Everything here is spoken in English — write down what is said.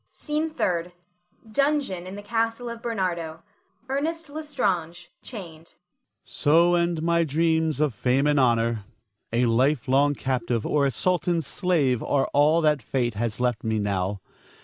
SCENE THIRD. [Dungeon in the castle of Bernardo. Ernest L'Estrange, chained.] Ernest. So end my dreams of fame and honor! A life long captive, or a sultan's slave are all that fate has left me now.